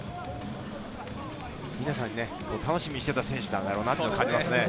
皆さん楽しみにしていた選手だろうなと感じますね。